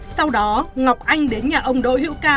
sau đó ngọc anh đến nhà ông đỗ hữu ca